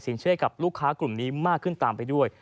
เชื่อกับลูกค้ากลุ่มนี้มากขึ้นตามไปด้วย